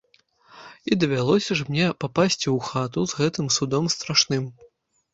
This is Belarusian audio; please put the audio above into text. І давялося ж мне папасці ў хату з гэтым судом страшным!